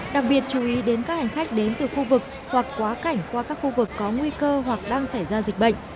đặc biệt chú ý đến các hành khách đến từ khu vực hoặc quá cảnh qua các khu vực có nguy cơ hoặc đang xảy ra dịch bệnh